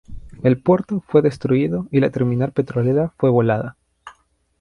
El puerto fue destruido y la terminal petrolera fue volada.